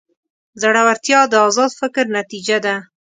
زړورتیا د ازاد فکر نتیجه ده.